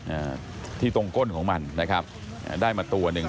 อ่าที่ตรงก้นของมันนะครับอ่าได้มาตัวหนึ่ง